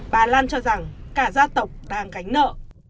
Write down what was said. bà lan cho rằng cả gia tộc đang gánh nợ